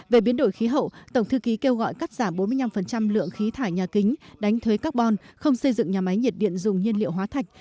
về biến đổi khí hậu tổng thư ký kêu gọi cắt giảm bốn mươi năm lượng khí thải nhà kính đánh thuế carbon không xây dựng nhà máy nhiệt điện dùng nhiên liệu hóa thạch